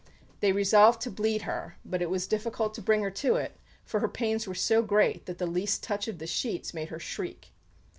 They resolved to bleed her; but it was difficult to bring her to it, for her pains were so great that the least touch of the sheets made her shriek."